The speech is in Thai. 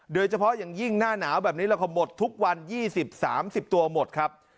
โดยเฉพาะอย่างยิ่งหน้าหนาวแบบนี้เราก็หมดทุกวัน๒๐๓๐ตัวหมดครับ